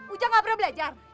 ujam gak pernah belajar